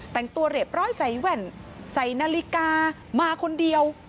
แต่งตัวเรียบร้อยใส่แว่นใส่นาฬิกามาคนเดียว